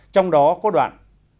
trong đó có đoạn